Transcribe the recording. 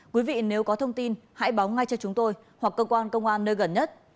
quý vị nếu có thông tin hãy báo ngay cho chúng tôi hoặc cơ quan công an nơi gần nhất